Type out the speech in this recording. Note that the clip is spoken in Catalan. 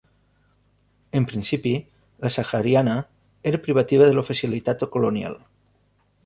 En principi, la sahariana era privativa de l'oficialitat colonial.